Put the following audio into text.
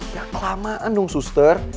ya kelamaan dong suster